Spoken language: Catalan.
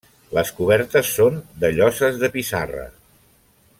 Les cobertes són de lloses de pissarra.